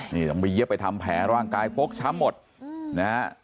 นี่ต้องไปเย็บไปทำแผลร่างกายฟกช้ำหมดนะฮะ